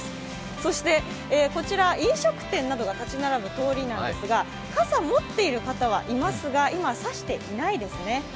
そして、こちら飲食店などが立ち並ぶ通りなんですが傘持っている方はいますが、今、差していないですね。